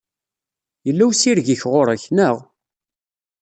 Yella ussireg-ik ɣur-k, naɣ?